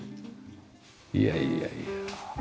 いやいやいや。